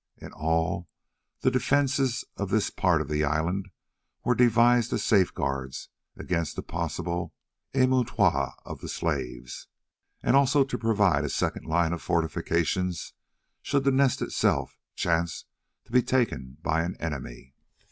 Indeed, all the defences of this part of the island were devised as safeguards against a possible emeute of the slaves, and also to provide a second line of fortifications should the Nest itself chance to be taken by an enemy.